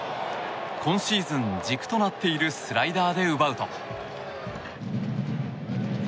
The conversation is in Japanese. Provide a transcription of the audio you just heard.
今シーズン、軸となっているスライダーで奪うと。